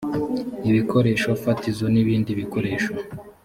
ibikoresho fatizo ibindi bikoresho